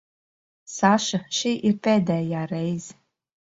Saša, šī ir pēdējā reize.